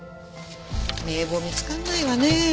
名簿見つかんないわねえ。